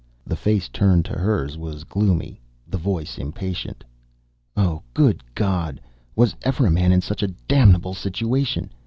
The face turned to hers was gloomy, the voice impatient. "Oh, good God! Was ever a man in such a damnable situation?